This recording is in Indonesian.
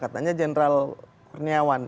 katanya jeneral perniawan